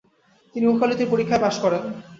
তিনি উকালতির পরীক্ষায় পাশ করেন।